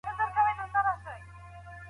هیلې خپلې سترګې د لږ وخت لپاره پټې کړې.